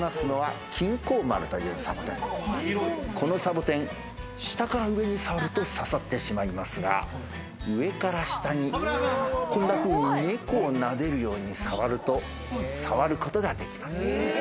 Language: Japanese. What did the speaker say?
このサボテン、下から上に触ると、刺さってしまいますが、上から下にこんなふうに猫を撫でるようにさわると、触ることができます。